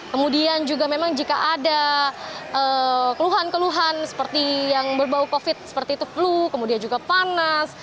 kemudian juga memang jika ada keluhan keluhan seperti yang berbau covid seperti itu flu kemudian juga panas